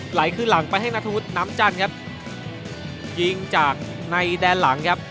ไหลขึ้นหลังไปให้นัทธวุฒิน้ำจันทร์ครับยิงจากในแดนหลังครับ